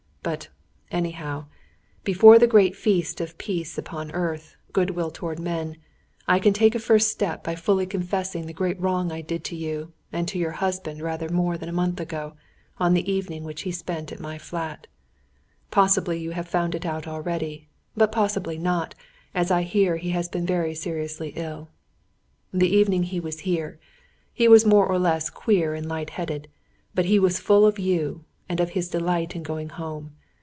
"But, anyhow, before the great Feast of Peace upon earth, goodwill toward men, I can take a first step by fully confessing the great wrong I did to you and to your husband rather more than a month ago, on the evening which he spent at my flat. "Possibly you have found it out already; but possibly not, as I hear he has been very seriously ill. "The evening he was here, he was more or less queer and light headed, but he was full of you, and of his delight in going home.